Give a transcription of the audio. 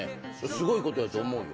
すごいことやと思うよ。